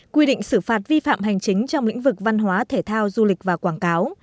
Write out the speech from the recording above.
quy định xử phạt vi phạm hành chính trong lĩnh vực văn hóa thể thao du lịch và quảng cáo